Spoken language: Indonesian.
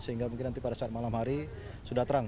sehingga mungkin nanti pada saat malam hari sudah terang